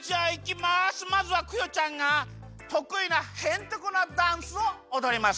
まずはクヨちゃんがとくいなへんてこなダンスをおどります。